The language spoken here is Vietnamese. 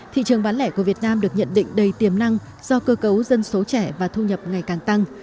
thị trường bán lẻ của việt nam được nhận định đầy tiềm năng do cơ cấu dân số trẻ và thu nhập ngày càng tăng